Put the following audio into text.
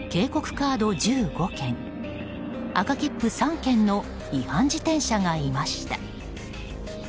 カード１５件、赤切符３件の違反自転車がいました。